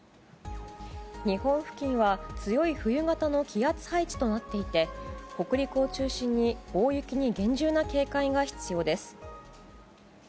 日本付近は強い冬型の気圧配置となっていて北陸を中心に大雪に厳重な警戒が必要です。